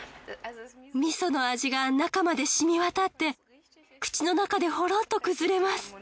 味噌の味が中までしみわたって口の中でほろっと崩れます。